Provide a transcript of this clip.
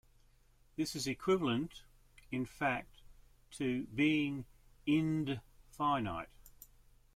This is equivalent, in fact, to being 'ind-finite'.